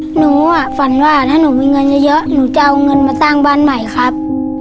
หนูฝันว่าถ้าหนูมีเงินเยอะหนูจะเอาเงินมาสร้างบ้านใหม่ครับ